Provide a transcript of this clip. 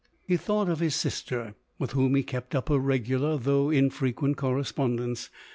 He thought of his sif ter, with whom he kept up a regular though infrequent correspondence.